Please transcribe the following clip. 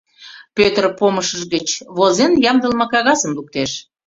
Пӧтыр помышыж гыч возен ямдылыме кагазым луктеш.